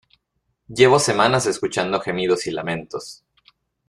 llevo semanas escuchando gemidos y lamentos